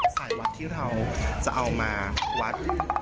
สายวัดที่เราจะเอามาวัด